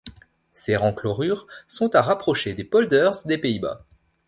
Ces renclorures sont à rapprocher des Polders des Pays-Bas.